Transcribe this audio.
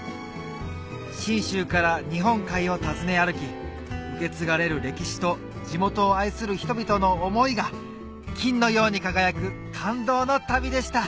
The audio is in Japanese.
信州から日本海を訪ね歩き受け継がれる歴史と地元を愛する人々の思いが金のように輝く感動の旅でした